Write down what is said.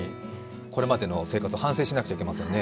これまでの生活を反省しなくちゃいけませんね。